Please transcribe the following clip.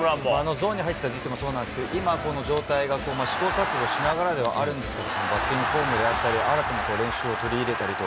ゾーンに入ったというのもそうなんですけど、今この状態が試行錯誤しながらではあるんですけど、バッティングフォームであったり、新たな練習を取り入れていると。